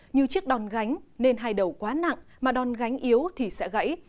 như chiếc đòn gánh nên hai đầu quá nặng mà đòn gánh yếu thì sẽ gãy